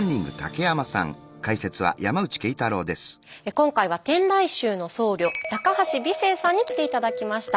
今回は天台宗の僧侶橋美清さんに来て頂きました。